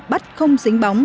bắt không dính bóng